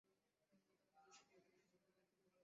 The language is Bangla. তবে সখী, শোনো।